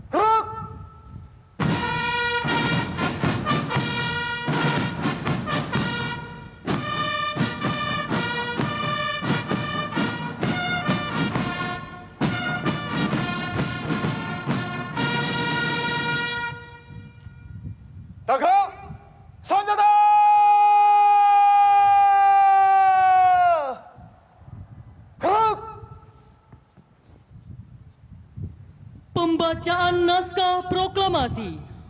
persiapan pembacaan naskah proklamasi